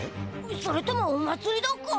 それともお祭りだか？